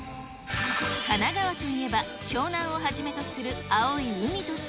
神奈川といえば、湘南をはじめとする青い海と空。